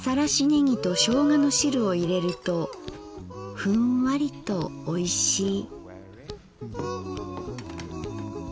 ねぎとしょうがの汁をいれるとフンワリとおいしい」。